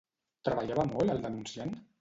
Treballava molt el denunciant?